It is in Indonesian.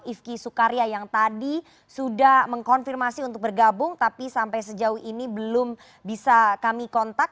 ifki sukarya yang tadi sudah mengkonfirmasi untuk bergabung tapi sampai sejauh ini belum bisa kami kontak